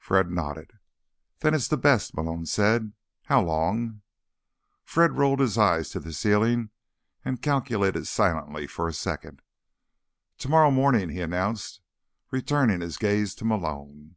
Fred nodded. "Then it's the best," Malone said. "How long?" Fred rolled his eyes to the ceiling and calculated silently for a second. "Tomorrow morning," he announced, returning his gaze to Malone.